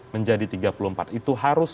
menjadi tiga puluh empat itu harus